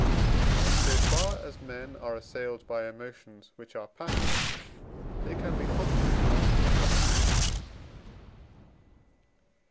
In so far as men are assailed by emotions which are passions, they can be contrary one to another.